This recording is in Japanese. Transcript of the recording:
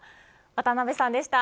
渡辺さんでした。